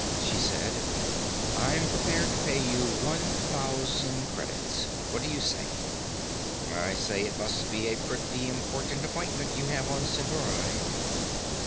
She said: "I'm prepared to pay you one thousand credits; what do you say?" "I say it must be a pretty important appointment you have on Centauri."